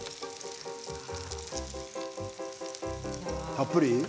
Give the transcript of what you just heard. たっぷり。